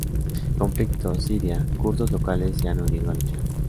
Conflicto Siria: kurdos locales se han unido a luchar